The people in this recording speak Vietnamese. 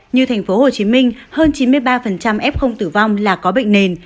như thành phố hồ chí minh hơn chín mươi ba f tử vong là có bệnh nền